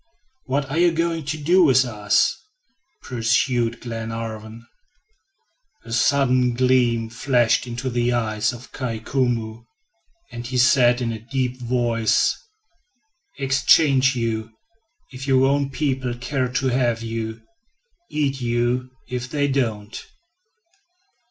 "What are you going to do with us?" pursued Glenarvan. A sudden gleam flashed into the eyes of Kai Koumou, and he said in a deep voice: "Exchange you, if your own people care to have you; eat you if they don't."